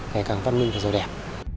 ngày càng văn minh và giàu đẹp